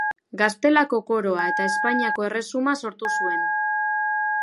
Gaztelako Koroa eta Espainiako Erresuma sortu zuen.